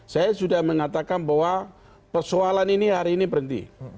saya sudah mengatakan bahwa persoalan ini hari ini berhenti